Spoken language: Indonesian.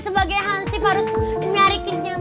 sebagai hansip harus nyari kenyaman